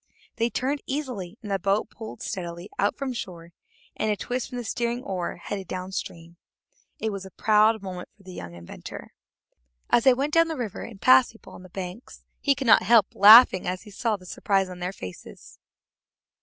They turned easily, and the boat pulled steadily out from shore, and at a twist from the steering oar headed down stream. It was a proud moment for the young inventor. As they went down the river and passed people on the banks, he could not help laughing as he saw the surprise on their faces.